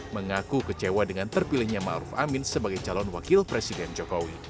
mengaku kecewa dengan terpilihnya ma'ruf amin sebagai calon wakil presiden jokowi